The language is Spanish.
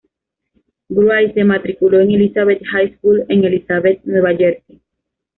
Wright se matriculó en Elizabeth High School en Elizabeth, Nueva Jersey.